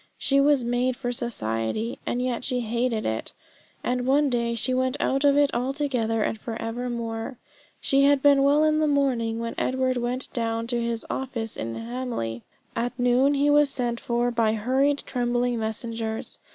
She was made for society; and yet she hated it. And one day she went out of it altogether and for evermore. She had been well in the morning when Edward went down to his office in Hamley. At noon he was sent for by hurried trembling messengers.